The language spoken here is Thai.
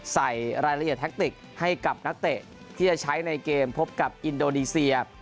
ใส่รายละเอียดแท็กติกให้กับนักเตะที่จะใช้ในเกมพบกับอินโดนีเซีย